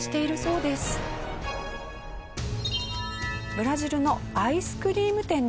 ブラジルのアイスクリーム店です。